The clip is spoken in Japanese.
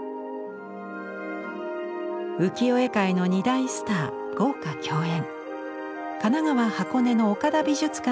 浮世絵界の２大スター豪華競演。